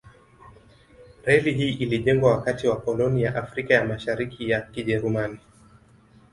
Reli hii ilijengwa wakati wa koloni ya Afrika ya Mashariki ya Kijerumani.